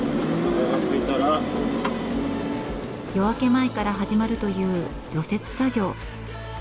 夜明け前から始まるという除雪作業。